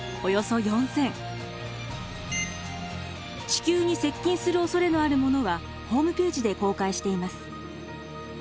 地球に接近するおそれのあるものはホームページで公開しています。